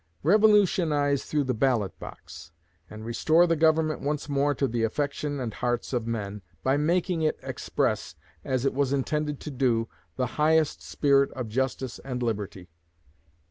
Revolutionize through the ballot box, and restore the Government once more to the affection and hearts of men, by making it express, as it was intended to do, the highest spirit of justice and liberty.